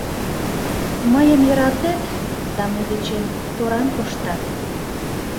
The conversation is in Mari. Мыйым йӧратет да мый дечем торан коштат...